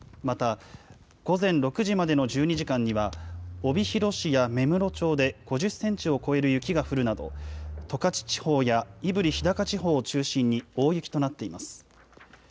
また、午前６時までの１２時間には、帯広市や芽室町で５０センチを超える雪が降るなど、十勝地方や胆振・日高地方を中心に大雪となっています。